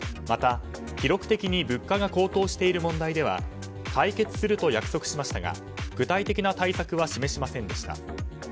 また、記録的に物価が高騰している問題では解決すると約束しましたが具体的な対策は示しませんでした。